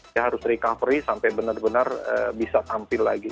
dia harus recovery sampai benar benar bisa tampil lagi